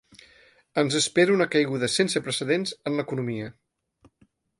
Ens espera una caiguda sense precedents en l’economia.